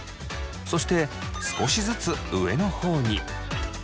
そして少しずつ上の方に。